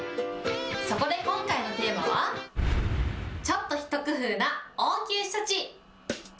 そこで今回のテーマは、ちょっと一工夫な応急処置。